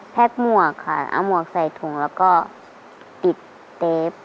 หมวกค่ะเอาหมวกใส่ถุงแล้วก็ปิดเตฟ